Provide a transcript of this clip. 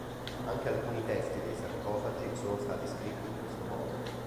Anche alcuni testi dei sarcofagi sono stati scritti in questo modo.